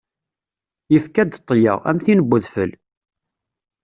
Yefka-d ṭṭya, am tin n udfel.